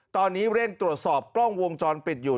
ตอนนี้เร่งตรวจสอบกล้องวงจรปิดอยู่